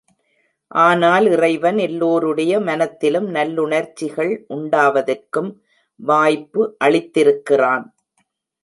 ஆனால் இறைவன் எல்லோருடைய மனத்திலும் நல்லுணர்ச்சிகள் உண்டாவதற்கும் வாய்ப்பு அளித்திருக்கிறான்.